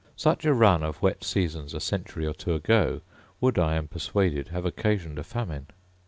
Such a run of wet seasons a century or two ago would, I am persuaded, have occasioned a famine.